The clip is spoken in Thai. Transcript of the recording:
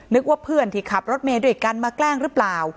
ว่าเพื่อนที่ขับรถเมย์ด้วยกันมาแกล้งหรือเปล่า